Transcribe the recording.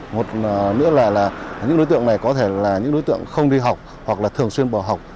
một nữa là những đối tượng này có thể là những đối tượng không đi học hoặc là thường xuyên bỏ học